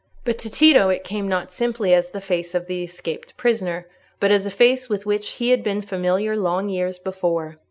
But to Tito it came not simply as the face of the escaped prisoner, but as a face with which he had been familiar long years before.